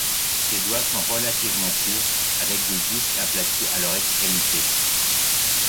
Les doigts sont relativement courts avec des disques aplatis à leurs extrémités.